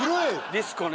ディスコね。